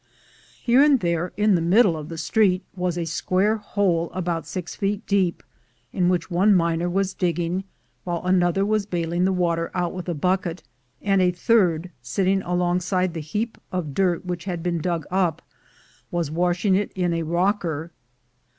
Here and there, in the middle of the street, was a square hole about six feet deep, in which one miner was digging, while another was baling the water out with a bucket, and a third, sitting alongside the heap of dirt which had been dug up, was washing it in a rocker.")